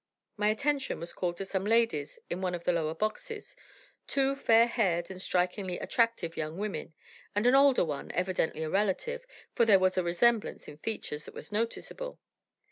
My attention was called to some ladies in one of the lower boxes two fair haired and strikingly attractive young women, and an older one, evidently a relative, for there was a resemblance in features that was noticeable.